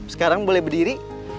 sekarang boleh berdiri